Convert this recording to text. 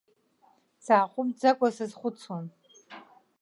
Сааҟәымҵӡакәа сазхәыцуан.